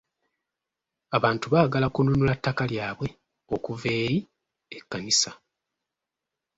Abantu baagala kununula takka lyabwe okuva eri ekkanisa.